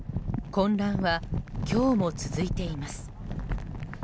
混乱は、今日も続いています。